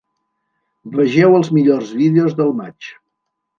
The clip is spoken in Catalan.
Vegeu els millors vídeos del matx.